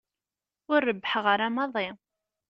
Ur rebbḥeɣ ara maḍi.